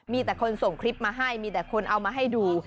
มีแต่คนส่งคลิปมาให้มีแต่คนเอามาให้ดู